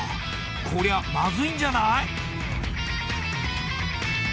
こりゃまずいんじゃない？